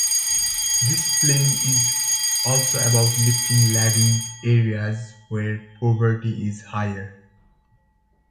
This plan is also about lifting lagging areas where poverty is higher.